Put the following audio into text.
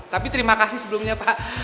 tapi terima kasih sebelumnya pak